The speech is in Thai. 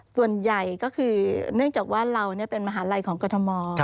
ส่วนใหญ่ก็คือเนื่องจากว่าเราเป็นมหาลัยของกรทม